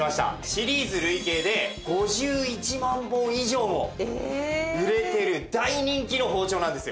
シリーズ累計で５１万本以上も売れてる大人気の包丁なんですよ。